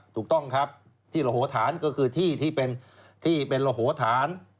ถูกต้องครับที่ระโหฐานก็คือที่ที่เป็นที่เป็นระโหฐาน